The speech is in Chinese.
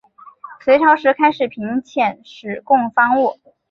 隋朝时开始频遣使贡方物。